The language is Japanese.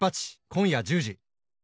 今夜１０時。